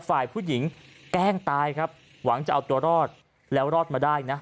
ฝ่ายผู้หญิงแกล้งตายครับหวังจะเอาตัวรอดแล้วรอดมาได้นะ